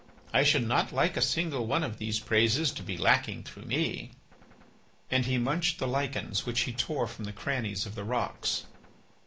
I should not like a single one of these praises to be lacking through me." And he munched the lichens which he tore from the crannies of the rocks.